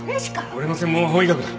俺の専門は法医学だ。